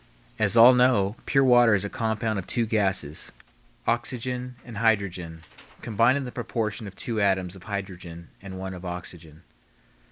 As all know, pure water is a compound of two gases, oxygen and hydrogen, combined in the proportion of two atoms of hydrogen and one of oxygen.